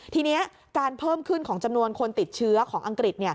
ทีนี้การเพิ่มขึ้นของจำนวนคนติดเชื้อของอังกฤษ